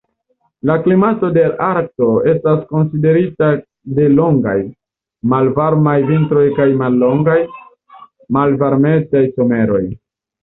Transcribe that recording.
La klimato de Arkto estas karakterizita de longaj, malvarmaj vintroj kaj mallongaj, malvarmetaj someroj.